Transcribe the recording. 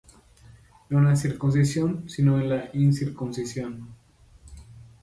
No en la circuncisión, sino en la incircuncisión.